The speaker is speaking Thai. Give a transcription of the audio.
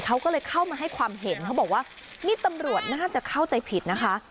เขาก็เลยเข้ามาให้ความเห็นเขาบอกว่านี่ตำรวจน่าจะเข้าใจผิดนะคะ